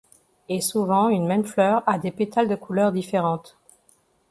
Et souvent une même fleur à des pétales de couleurs différentes.